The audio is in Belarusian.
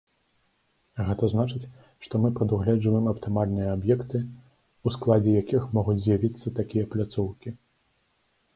Гэта значыць, што мы прадугледжваем аптымальныя аб'екты, у складзе якіх могуць з'явіцца такія пляцоўкі.